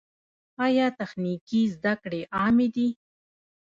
آیا تخنیکي زده کړې عامې دي؟